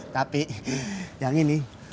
tapi yang ini